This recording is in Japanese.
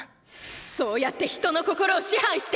そうやって人の心を支配して！！